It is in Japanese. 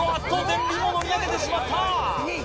前輪も乗り上げてしまった！